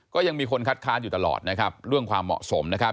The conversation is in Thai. ก็ยังมีคนคัดค้านอยู่ตลอดนะครับเรื่องความเหมาะสมนะครับ